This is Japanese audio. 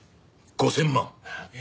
５０００万！？